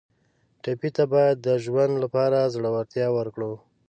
ټپي ته باید د ژوند لپاره زړورتیا ورکړو.